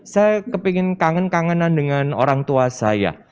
saya kepingin kangen kangenan dengan orang tua saya